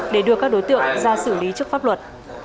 để đưa các đối tượng ra xử lý trước pháp luật